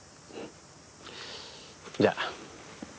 じゃあ。